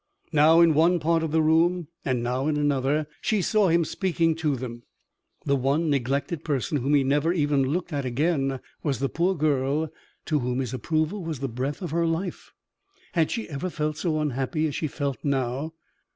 Now, in one part of the room, and now in another, she saw him speaking to them. The one neglected person whom he never even looked at again, was the poor girl to whom his approval was the breath of her life. Had she ever felt so unhappy as she felt now?